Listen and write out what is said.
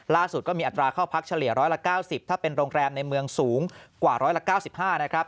ล่าสุดก็มีอัตราเข้าพักเฉลี่ย๑๙๐ถ้าเป็นโรงแรมในเมืองสูงกว่า๑๙๕นะครับ